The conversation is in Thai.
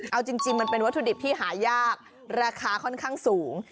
เอาจริงมันเป็นวัตถุดิบที่หายากราคาค่อนข้างสูง